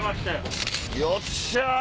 よっしゃ！